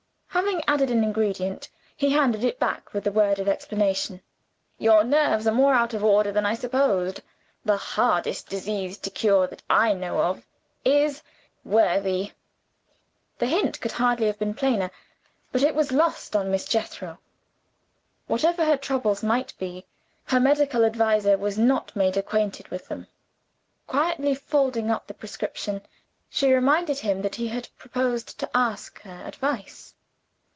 Having added an ingredient, he handed it back with a word of explanation. "Your nerves are more out of order than I supposed. The hardest disease to cure that I know of is worry." The hint could hardly have been plainer; but it was lost on Miss Jethro. Whatever her troubles might be, her medical adviser was not made acquainted with them. Quietly folding up the prescription, she reminded him that he had proposed to ask her advice.